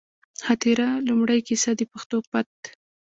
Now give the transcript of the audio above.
خاطره، لومړۍ کیسه ، د پښتو پت